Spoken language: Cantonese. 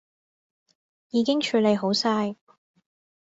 已經處理好晒